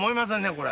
これ。